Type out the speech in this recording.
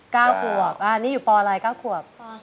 ๙ขวบอ่านี่อยู่ปอะไร๙ขวบ